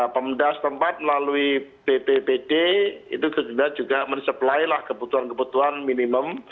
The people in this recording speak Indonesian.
pembeda setempat melalui bppd itu juga menyebelailah kebutuhan kebutuhan minimum